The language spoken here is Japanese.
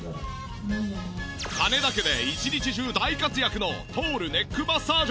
金田家で１日中大活躍のトールネックマッサージャー。